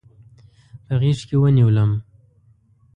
په غېږ کې ونیولم.